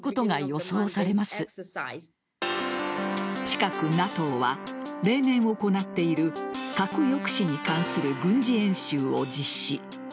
近くＮＡＴＯは例年行っている核抑止に関する軍事演習を実施。